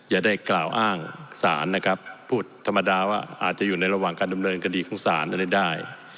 อย่าได้กล่าวอ้างสารนะครับพูดธรรมดาว่าอาจจะอยู่ในระหว่างการดำเนินคดีของศาลอะไรได้